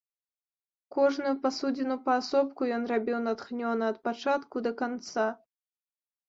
Кожную пасудзіну паасобку ён рабіў натхнёна ад пачатку да канца.